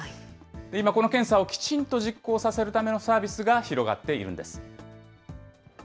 今、この検査をきちんと実行させるためのサービスが広がっているんです。